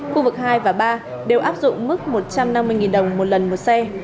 khu vực hai và ba đều áp dụng mức một trăm năm mươi đồng một lần một xe